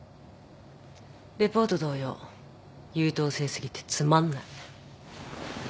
レポート同様優等生過ぎてつまんない。